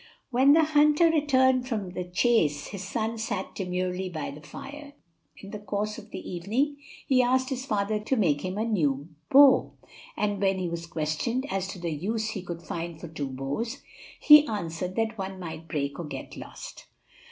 When the hunter returned from the chase, his son sat demurely by the fire: In the course of the evening he asked his father to make him a new bow; and when he was questioned as to the use he could find for two bows, he answered that one might break or get lost.